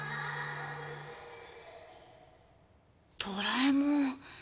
ドラえもん。